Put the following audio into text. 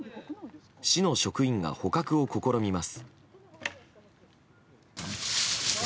市の職員が捕獲を試みます。